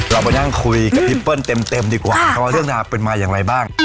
เรามานั่งคุยกับพี่เปิ้ลเต็มดีกว่าว่าเรื่องราวเป็นมาอย่างไรบ้าง